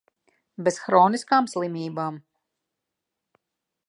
Bez hroniskām slimībām.